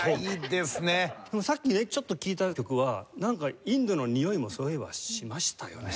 でもさっきねちょっと聴いた曲はなんかインドのにおいもそういえばしましたよね。